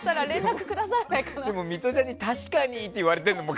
でも、ミトちゃんに確かにって言われてるのも。